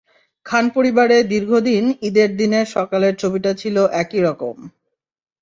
খান পরিবারে দীর্ঘদিন ঈদের দিনের সকালের ছবিটা ছিল একই রকম।